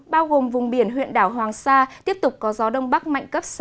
bao gồm vùng biển huyện đảo hoàng sa tiếp tục có gió đông bắc mạnh cấp sáu